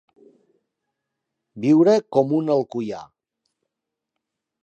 Viure com un alcoià.